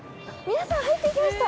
皆さん入って行きました。